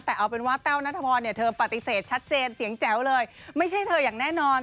แต่เอาเป็นว่าเต้านัตรมอนเธอปฏิเสธชัดเจนเซียงแจ๊วเลยไม่ใช่เธอยังแน่นอน